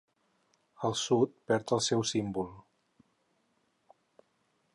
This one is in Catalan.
El Sud perd el seu símbol.